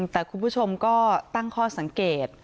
แต่คุณผู้ชมก็ตั้งข้อสังเกต